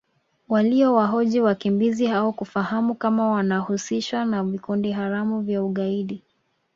waliwahoji wakimbizi hao kufahamu kama wanajihusisha na vikundi haramu vya ugaidi